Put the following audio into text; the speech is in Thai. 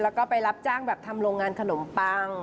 แล้วก็ไปรับจ้างแบบทำโรงงานขนมปัง